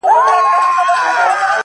• ځكه ځوانان ورانوي ځكه يې زړگي ورانوي،